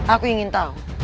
aku ingin tahu